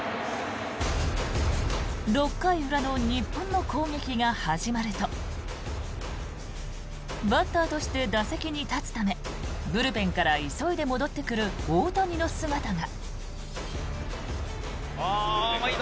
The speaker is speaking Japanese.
６回裏の日本の攻撃が始まるとバッターとして打席に立つためブルペンから急いで戻ってくる大谷の姿が。